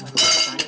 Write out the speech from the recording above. mau kemana lo